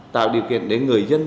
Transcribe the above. tạo điều kiện để người dân